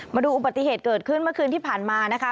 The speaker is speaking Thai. มาดูอุบัติเหตุเกิดขึ้นเมื่อคืนที่ผ่านมานะคะ